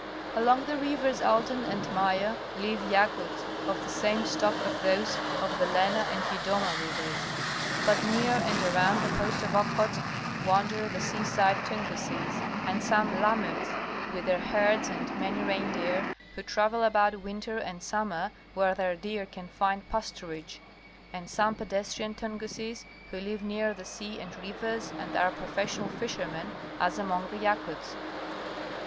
Along the rivers Aldan and Maia live Yakuts of the same stock as those of the Lena and Yudoma rivers. But near and around the post of Okhotsk wander the seaside Tunguses and some Lamuts with their herds and many reindeer, who travel about winter and summer where their deer can find pasturage ; and some pedestrian Tunguses who live near the sea and rivers and are professional fishermen as among the Yakuts.